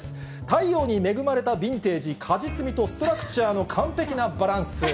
太陽に恵まれたヴィンテージ、果実味とストラクチュアの完璧なバランス。